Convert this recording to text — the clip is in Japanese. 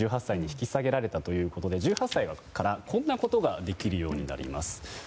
１８歳に引き下げられたということで１８歳からこんなことができるようになります。